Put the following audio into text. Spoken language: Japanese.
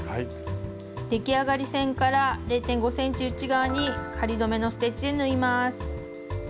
出来上がり線から０．５ｃｍ内側に仮留めのステッチで縫います。